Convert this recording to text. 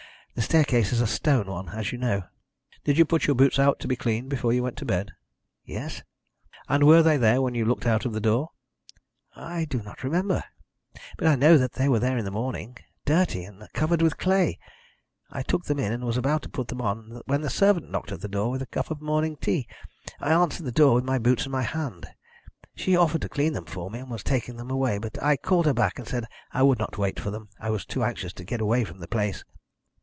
The staircase is a stone one, as you know." "Did you put your boots out to be cleaned before you went to bed?" "Yes." "And were they there when you looked out of the door?" "I do not remember. But I know they were there in the morning, dirty and covered with clay. I took them in, and was about to put them on, when the servant knocked at the door with a cup of morning tea. I answered the door with the boots in my hand. She offered to clean them for me, and was taking them away, but I called her back and said I would not wait for them. I was too anxious to get away from the place."